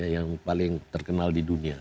yang paling terkenal di dunia